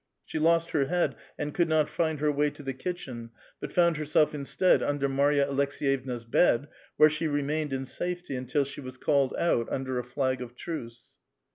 She lost her head, and c»ould not find her wav to the kitchen, but found herself instead under Marva Aleks^vevna's bed, where she remained in safety until sl»e was called out under a flag of truce.